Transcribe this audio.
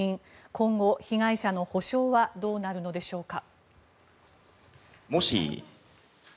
今後、被害者の補償はどうなるのでしょうか。